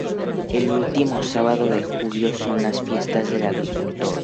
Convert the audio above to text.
El último sábado de julio son las fiestas del agricultor.